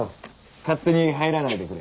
勝手に入らないでくれ。